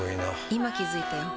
今気付いたよ